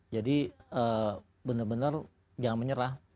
jadi benar benar jangan menyerah